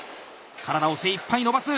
身体を精いっぱい伸ばす！